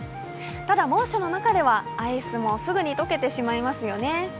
ただ猛暑の中ではアイスもすぐに溶けてしまいますよね。